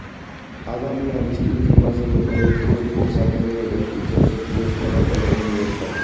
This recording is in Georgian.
ადამიანის ტვინი იმაზე მეტ ელექტრულ იმპულსს აგენერირებს, ვიდრე მსოფლიოს ყველა ტელეფონი ერთად.